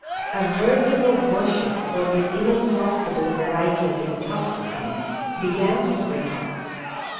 A veritable worship for this inexhaustible variety of intoxicants began to spring up.